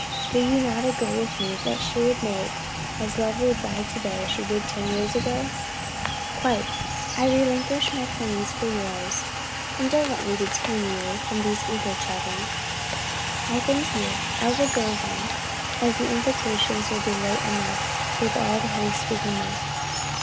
Do you not agree with me that she would make as lovely a bride to day as she did ten years ago?" "Quite. I relinquish my plan for yours; and don't let me detain you and these eager children." "I thank you: I will go then, as the invitations will be late enough with all the haste we can make."